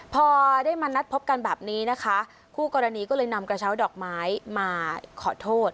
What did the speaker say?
พอได้มานัดพบกันแบบนี้นะคะคู่กรณีก็เลยนำกระเช้าดอกไม้มาขอโทษ